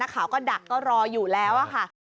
พี่ไม่รู้พี่ไม่รู้